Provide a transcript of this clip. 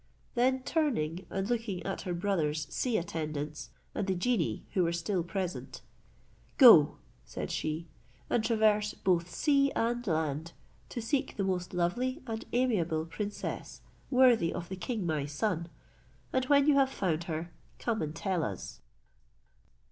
Then turning, and looking at her brother's sea attendants, and the genii who were still present, "Go," said she, "and traverse both sea and land, to seek the most lovely and amiable princess, worthy of the king my son, and when you have found her, come and tell us."